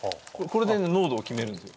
これで濃度を決めるんです。